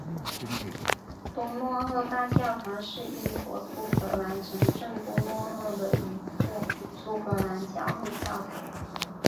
多诺赫大教堂是英国苏格兰城镇多诺赫的一座苏格兰教会教堂。